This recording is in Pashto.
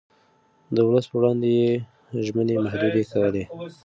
د ولس پر وړاندې يې ژمنې محدودې کولې.